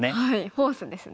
フォースですね。